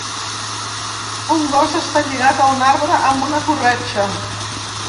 Un gos està lligat a un arbre amb una corretja.